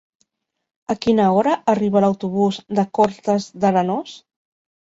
A quina hora arriba l'autobús de Cortes d'Arenós?